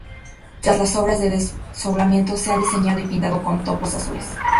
Tras las obras de desdoblamiento, se ha rediseñado y pintado con topos azules.